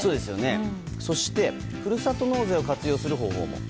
そして、ふるさと納税を活用する方法も。